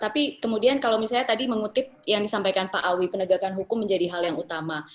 tapi kemudian kalau misalnya tadi mengutip yang disampaikan pak awi penegakan hukum menjadi hal yang utama